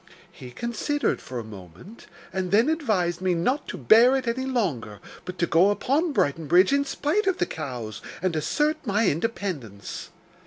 He considered for a moment, and then advised me not to bear it any longer, but to go upon Brighton Bridge, in spite of the cows, and assert my independence.